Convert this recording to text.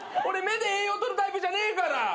俺目で栄養取るタイプじゃねえから。